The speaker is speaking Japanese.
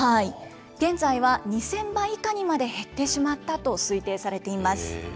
現在は２０００羽以下にまで減ってしまったと推定されています。